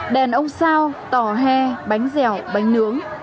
đèn ông sao tỏ he bánh dẻo bánh nướng